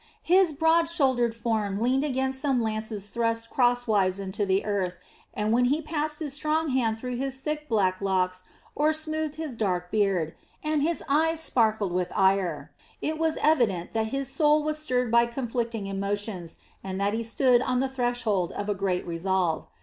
His broad shouldered form leaned against some lances thrust crosswise into the earth, and when he passed his strong hand through his thick black locks or smoothed his dark beard, and his eyes sparkled with ire, it was evident that his soul was stirred by conflicting emotions and that he stood on the threshold of a great resolve.